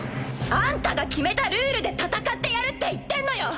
あんたが決めたルールで戦ってやるって言ってんのよ。